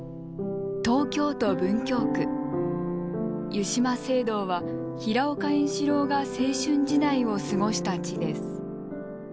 湯島聖堂は平岡円四郎が青春時代を過ごした地です。